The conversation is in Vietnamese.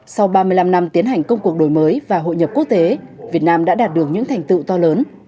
sau ba mươi năm năm tiến hành công cuộc đổi mới và hội nhập quốc tế việt nam đã đạt được những thành tựu to lớn